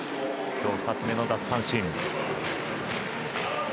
今日２つ目の奪三振。